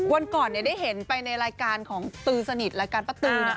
วันก่อนได้เห็นไปในรายการของตือสนิทรายการป้าตือนะ